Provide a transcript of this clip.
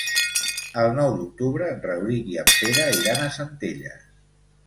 El nou d'octubre en Rauric i en Pere iran a Centelles.